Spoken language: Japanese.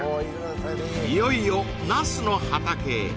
いよいよナスの畑へ